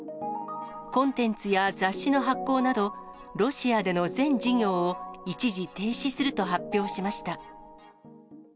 コンテンツや雑誌の発行など、ロシアでの全事業を一時停止すると発表しました。